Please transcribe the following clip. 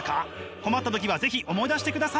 困った時は是非思い出してください！